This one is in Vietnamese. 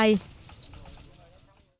hãy đăng ký kênh để ủng hộ kênh của mình nhé